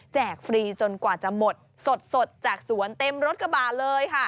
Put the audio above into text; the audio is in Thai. ฟรีจนกว่าจะหมดสดจากสวนเต็มรถกระบาดเลยค่ะ